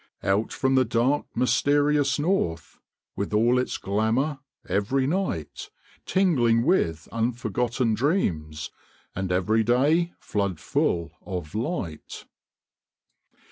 "Out from the dark, mysterious North, With all its glamour, every night Tingling with unforgotten dreams, And every day flood full of light."